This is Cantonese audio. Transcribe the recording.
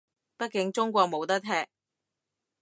畢竟中國冇得踢